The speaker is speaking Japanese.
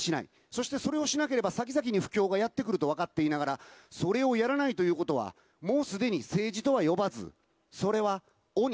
そしてそれをしなければ先々に不況がやって来ると分かっていながら、それをやらないということは、もうすでに政治とは呼ばず、それは鬼。